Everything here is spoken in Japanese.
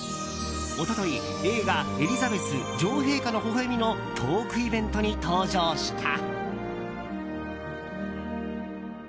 一昨日、映画「エリザベス女王陛下の微笑み」のトークイベントに登場した。